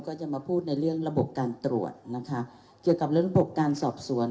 ก็จะมาพูดในเรื่องระบบการตรวจนะคะเกี่ยวกับเรื่องระบบการสอบสวน